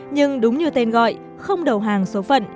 nhưng đúng như tên gọi không đầu hàng số phận